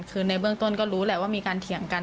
คือในเบื้องต้นก็รู้แหละว่ามีการเถียงกัน